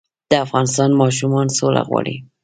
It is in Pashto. د افغانستان ماشومان سوله غواړي